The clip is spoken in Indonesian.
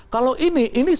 kalau ini ini suatu